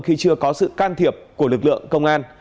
khi chưa có sự can thiệp của lực lượng công an